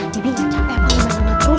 bibi ga capek banget ngekus